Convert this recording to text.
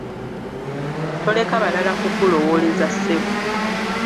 Toleka balala kukulowooleza ssebo.